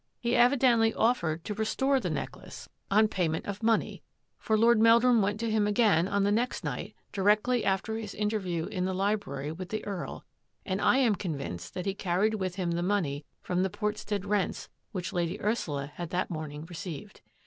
He evidently offered to restore the necklace DETECTIVE METHODS 287 on payment of money, for Lord Meldrum went to him again on the next night, directly after his interview in the library with the Earl, and I am convinced that he carried with him the money from the Portstead rents which Lady Ursula had that morning received.